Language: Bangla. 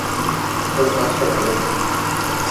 তবে কাজটা ভালো হয় না।